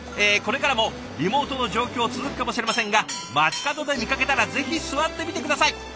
これからもリモートの状況続くかもしれませんが街角で見かけたらぜひ座ってみて下さい。